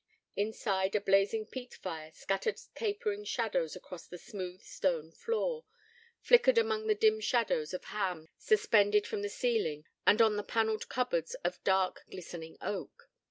Inside, a blazing peat fire scattered capering shadows across the smooth, stone floor, flickered among the dim rows of hams suspended from the ceiling and on the panelled cupboards of dark, glistening oak.